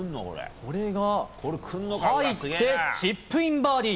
これが入ってチップインバーディー！